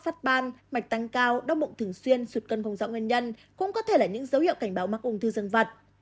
mạch tăng cao đau mụn thường xuyên sụt cân không rõ nguyên nhân cũng có thể là những dấu hiệu cảnh báo mắc ung thư dân vật